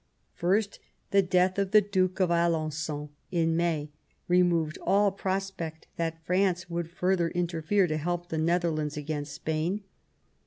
First the death of the Duke of Alen9on, in May, removed all prospect that France would further interfere to help the Netherlands against Spain.